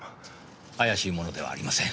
怪しい者ではありません。